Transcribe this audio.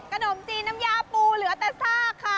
ขนมจีนน้ำยาปูหรืออะเตสทาร์ค่ะ